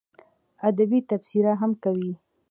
ادبي تبصرې هم کوي.